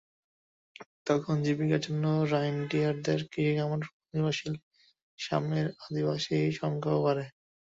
তখন জীবিকার জন্য রাইনডিয়ারদের কৃষিখামারের ওপর নির্ভরশীল সামের আদিবাসীদের সংখ্যাও বাড়ে।